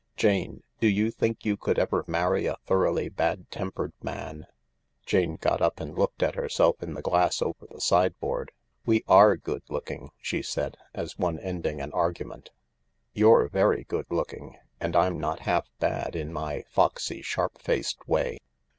Jane, do you think you could ever marry a thoroughly bad tempered man ?" Jane got up and looked at herself in the glass over the sideboard. "We are good looking," she said, as one ending an argu ment. " You're very good^ooking— ^nd I'm not half bad in my foxy, sharp faced way.